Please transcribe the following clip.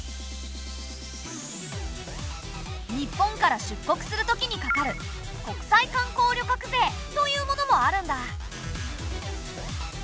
日本から出国する時にかかる国際観光旅客税というものもあるんだ！